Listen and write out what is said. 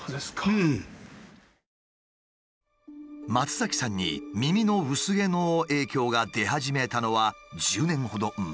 松崎さんに耳の薄毛の影響が出始めたのは１０年ほど前。